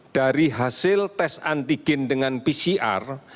dari hasil tes antigen dengan pcr